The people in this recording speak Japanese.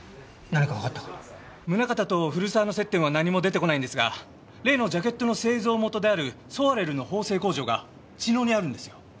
宗形と古沢の接点は何も出てこないんですが例のジャケットの製造元であるソワレルの縫製工場が茅野にあるんですよ。